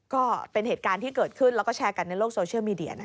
ก็เป็นเหตุการณ์ที่เกิดขึ้นแล้วก็แชร์กันในโลกโซเชียลมีเดีย